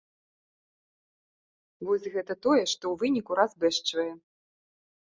Вось гэта тое, што ў выніку разбэшчвае.